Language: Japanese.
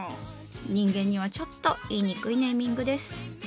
人間にはちょっと言いにくいネーミングです。